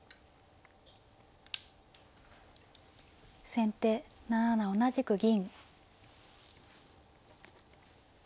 先手７七同じく銀。